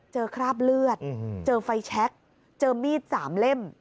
คราบเลือดเจอไฟแชคเจอมีด๓เล่ม